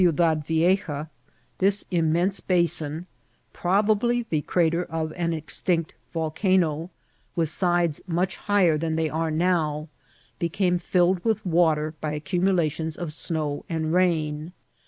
ot Ciudad Vieja), this immense basin, probably the cra ter of an extinct yolcanoy with sides much higher than they are now, became filled with water by accimmlations of snow and rain.